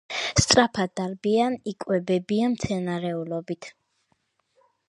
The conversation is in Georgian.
სწრაფად დარბიან, იკვებებიან მცენარეულობით.